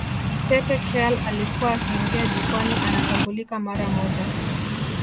Pepe Kalle alikuwa akiingia jukwani anatambulika mara moja